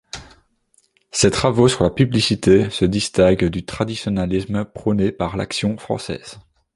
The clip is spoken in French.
Ses travaux sur la publicité se distinguent du traditionalisme prôné par l'Action française.